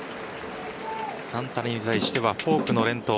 サンタナに対してはフォークの連投。